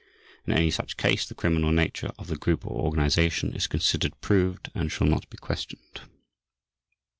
In any such case the criminal nature of the group or organization is considered proved and shall not be questioned.